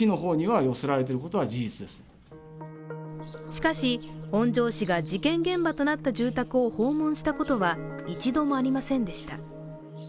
しかし、本庄市が事件現場となった住宅を訪問したことは一度もありませんでした。